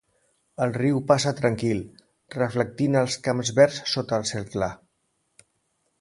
El riu passa tranquil, reflectint els camps verds sota el cel clar.